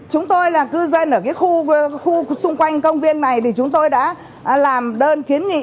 chúng tôi là cư dân ở cái khu xung quanh công viên này thì chúng tôi đã làm đơn kiến nghị